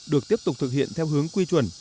được tiếp tục thực hiện theo hướng quy chuẩn